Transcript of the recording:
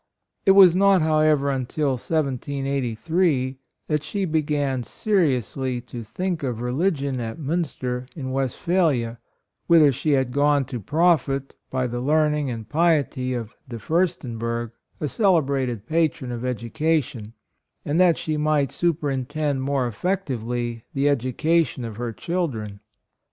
It was not, however, until 1783 that she began seriously to think of religion at Munster, in Westphalia, whither she had gone to profit by the learn ing and piety of De Furstenberg, a celebrated patron of education, and that she might superintend' more effectually the education of PRINCESS AMELIA. 23 her children.